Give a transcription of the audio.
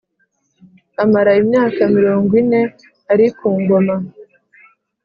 amara imyaka mirongo ine ari ku ngoma.